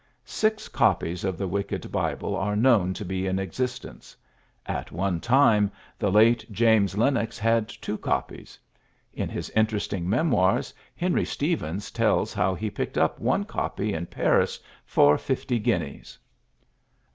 Six copies of the Wicked Bible are known to be in existence. At one time the late James Lenox had two copies; in his interesting memoirs Henry Stevens tells how he picked up one copy in Paris for fifty guineas.